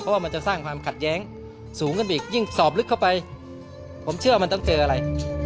ว่ามันจะสร้างความขัดแย้งสูงขึ้นไปอีกยิ่งสอบลึกเข้าไปผมเชื่อว่ามันต้องเจออะไร